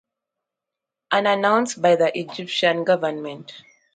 Unannounced by the Egyptian government.